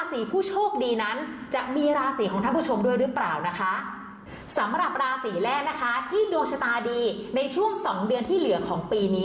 สีผู้โชคดีนั้นจะมีราศีของท่านผู้ชมด้วยหรือเปล่านะคะสำหรับราศีแรกนะคะที่ดวงชะตาดีในช่วงสองเดือนที่เหลือของปีนี้